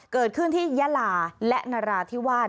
เกิดขึ้นที่ยาลาและนราธิวาส